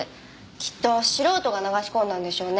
きっと素人が流し込んだんでしょうね。